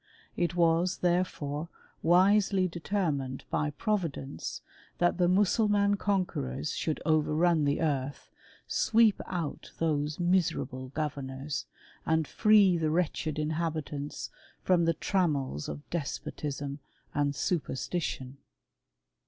It was, therefore, wisely deter JJ^ined by Providence that the Mussulman conquerors, stoiild overrun the earth, sweep out those miserable governors, and free the wretched inhabitants from the trammels of despotism and superstition.